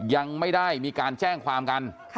ยังไม่ได้มีการแจ้งความกัน